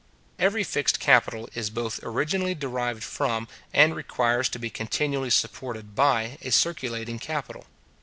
Every fixed capital is both originally derived from, and requires to be continually supported by, a circulating capital.